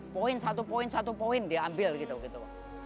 poin satu poin satu poin diambil gitu gitu